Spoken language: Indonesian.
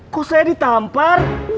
kok saya ditampar